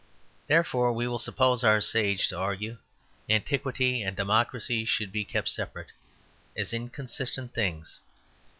Therefore (we will suppose our sage to argue) antiquity and democracy should be kept separate, as inconsistent things.